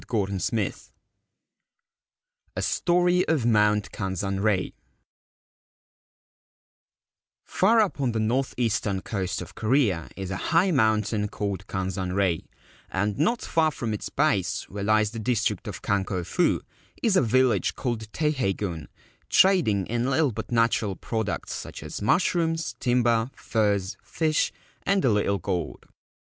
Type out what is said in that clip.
207 XXXIV A STORY OF MOUNT KANZANREI FAR up on the north eastern coast of Korea is a high mountain called Kanzanrei, and not far from its base, where lies the district of Kanko Fu, is a village called Teiheigun, trading in little but natural products such as mushrooms, timber, furs, fish, and a little gold.